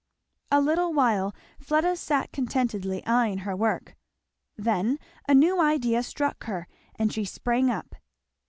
A little while Fleda sat contentedly eying her work; then a new idea struck her and she sprang up.